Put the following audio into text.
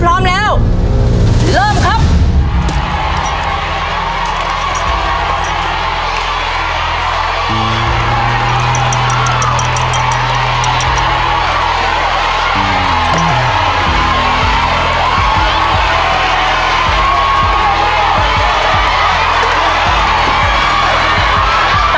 พร้อมแล้วเริ่มครับ